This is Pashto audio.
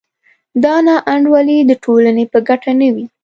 دا نا انډولي د ټولنې په ګټه نه وي.